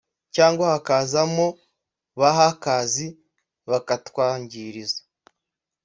cyangwa hakazamo ba hackers bakatwangiriza